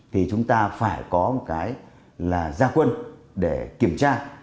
thì chúng ta phải có một cái là gia quân để kiểm tra